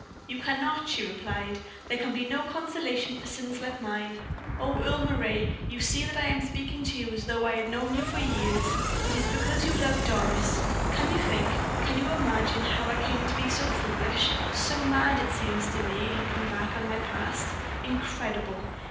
"You cannot," she replied; "there can be no consolation for sins like mine. Oh! Earle Moray, you see that I am speaking to you as though I had known you for years. It is because you love Doris. Can you think, can you imagine how I came to be so foolish? so mad, it seems to me, looking back on my past. Incredible!